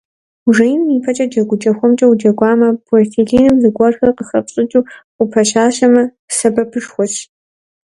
Ужеиным ипэкӀэ джэгукӀэ хуэмкӀэ уджэгуамэ, пластелиным зыгуэрхэр къыхэпщӀыкӀыу упэщэщамэ, сэбэпышхуэщ.